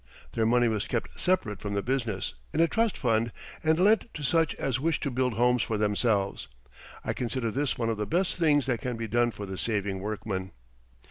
Their money was kept separate from the business, in a trust fund, and lent to such as wished to build homes for themselves. I consider this one of the best things that can be done for the saving workman.